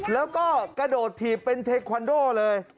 แล้วก็กระโดดถีบเป็นเทควันโดเลย